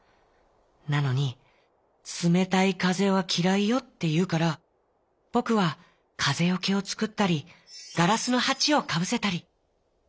なのに『つめたいかぜはきらいよ』っていうからぼくはかぜよけをつくったりガラスのはちをかぶせたり」。